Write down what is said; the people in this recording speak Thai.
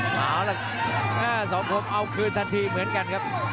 เอาล่ะสองคนเอาคืนทันทีเหมือนกันครับ